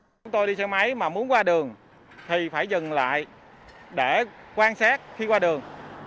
chúng tôi đi xe máy mà muốn qua đường thì phải dừng lại để quan sát khi qua đường